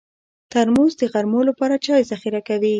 ترموز د غرمو لپاره چای ذخیره کوي.